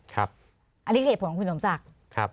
ครับคือเหตุผลของคุณสมศักดิ์